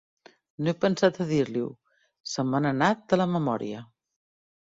No he pensat a dir-li-ho: se me n'ha anat de la memòria.